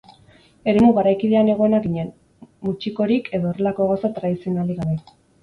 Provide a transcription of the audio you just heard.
Eremu garaikidean egonak ginen, mutxikorik edo horrelako gauza tradizionalik gabe.